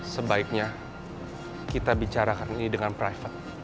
sebaiknya kita bicarakan ini dengan private